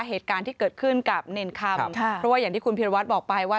เหตุการณ์ที่เกิดขึ้นกับเนรคำเพราะว่าอย่างที่คุณพิรวัตรบอกไปว่า